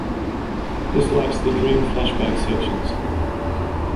This lacks the dream flashback sections.